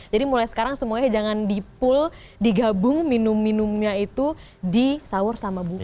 jadi mulai sekarang semuanya jangan di pool digabung minum minumnya itu di sahur sama buka